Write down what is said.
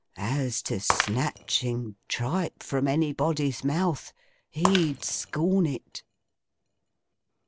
As to snatching tripe from anybody's mouth—he'd scorn it!